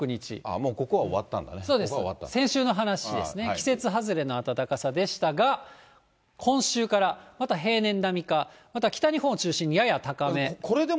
もうここは終わったんだね、先週の話ですね、季節外れの暖かさでしたが、今週からまた平年並みか、また北日本を中心にやや高め。